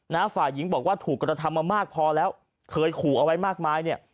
ฝ่ายหญิงบอกว่าถูกกระทำมามากพอแล้วเคยขู่เอาไว้มากมายเนี่ย